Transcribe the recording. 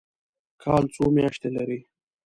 کال څو میاشتې لري؟